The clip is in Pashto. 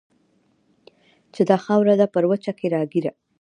چې دا خاوره ده پر وچه کې راګېره